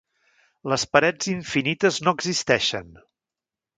Les parets infinites no existeixen.